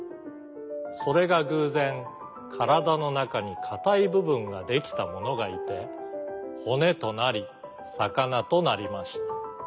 それがぐうぜんからだのなかにかたいぶぶんができたものがいてほねとなりさかなとなりました。